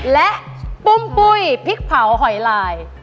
และปุ้มปุ้ยพริกเผาหอยลาย